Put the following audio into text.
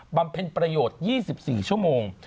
ำเพ็ญประโยชน์๒๔ชั่วโมง